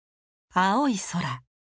青い空。